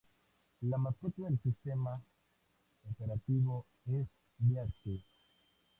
La mascota del sistema operativo es Beastie.